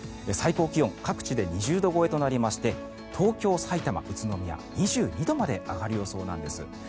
最高気温各地で２０度超えとなりまして東京、さいたま、宇都宮２２度まで上がる予想なんです。